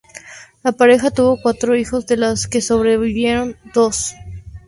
La pareja tuvo cuatro hijos de los que sobrevivieron dos.